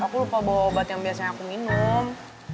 aku lupa bawa obat yang biasanya aku minum